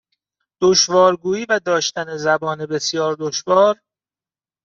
دشوار گویی و داشتن زبان بسیار دشوار